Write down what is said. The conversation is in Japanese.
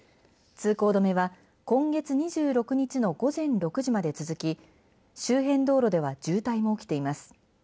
通行止めは今月２６日の午前６時まで続き周辺道路では渋滞も起きています。